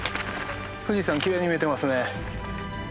富士山きれいに見えてますね。